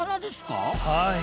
はい。